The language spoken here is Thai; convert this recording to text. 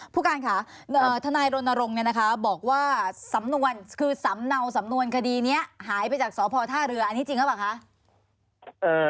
ผู้การค่ะทนายรณรงค์เนี่ยนะคะบอกว่าสำนวนคือสำเนาสำนวนคดีนี้หายไปจากสพท่าเรืออันนี้จริงหรือเปล่าคะ